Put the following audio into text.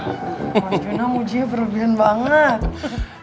mas duna ujiannya berlebihan banget